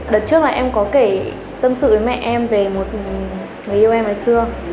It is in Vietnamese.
đợt trước là em có kể tâm sự với mẹ em về một người yêu em ở xưa